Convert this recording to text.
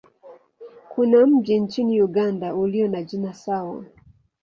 Kuna mji nchini Uganda ulio na jina sawa.